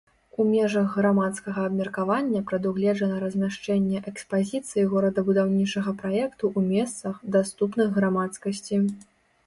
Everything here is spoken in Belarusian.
У межах грамадскага абмеркавання прадугледжана размяшчэнне экспазіцыі горадабудаўнічага праекту ў месцах, даступных грамадскасці.